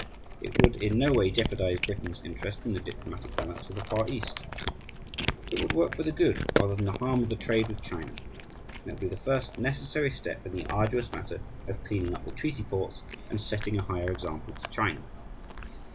It would in no way jeopardize Britain's interest in the diplomatic balance of the Far East. It would work for the good rather than the harm of the trade with China. And it would be the first necessary step in the arduous matter of cleaning up the treaty ports and setting a higher example to China.